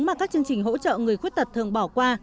mà các chương trình hỗ trợ người khuyết tật thường bỏ qua